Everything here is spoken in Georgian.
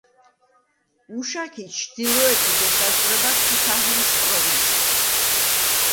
უშაქი ჩრდილოეთით ესაზღვრება ქუთაჰიის პროვინციას.